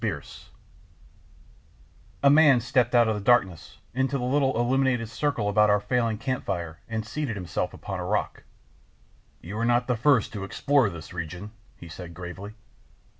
THE STRANGER A MAN stepped out of the darkness into the little illuminated circle about our failing campfire and seated himself upon a rock. "You are not the first to explore this region," he said, gravely.